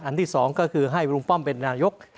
ที่๒ก็คือให้ลุงป้อมเป็นนายก